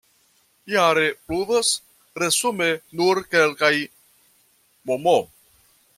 Jare pluvas resume nur kelkaj mm.